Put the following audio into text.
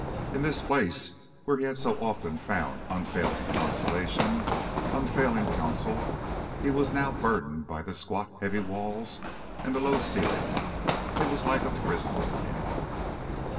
In this place where he had so often found unfailing consolation, unfailing counsel, he was now burdened by the squat, heavy walls, and the low ceiling. It was like a prison to him.